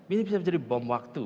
ini bisa menjadi bom waktu